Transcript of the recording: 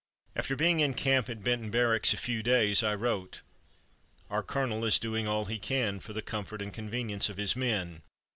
After being in camp at Benton Barracks a few days, I wrote: "Our colonel is doing all he can for the comfort and convenience of his men.